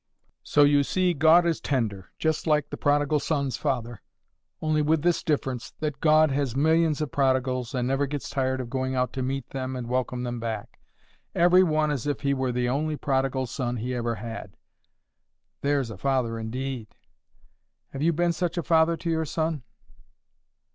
So you see God is tender—just like the prodigal son's father—only with this difference, that God has millions of prodigals, and never gets tired of going out to meet them and welcome them back, every one as if he were the only prodigal son He had ever had. There's a father indeed! Have you been such a father to your son?"